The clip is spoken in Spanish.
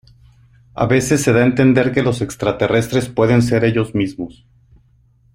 A veces se da a entender que los extraterrestres pueden ser ellos mismos.